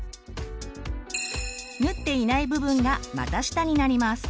縫っていない部分が股下になります。